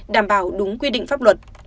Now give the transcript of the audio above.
đảm bảo đúng quy định pháp luật